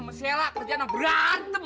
masalah kerjanya berantem